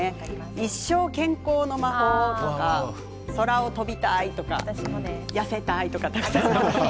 一生、健康の魔法とか空を飛びたいとか痩せたいとかたくさん来ています。